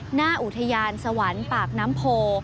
หน้าอุทยานสวรรค์ปากน้ำโพ